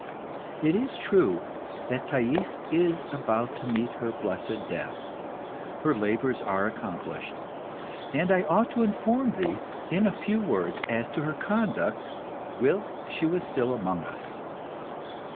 It is true that Thais is about to meet her blessed death. Her labours are accomplished, and I ought to inform thee, in a few words, as to her conduct whilst she was still amongst us.